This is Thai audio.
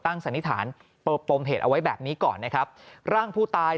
สันนิษฐานเปิดปมเหตุเอาไว้แบบนี้ก่อนนะครับร่างผู้ตาย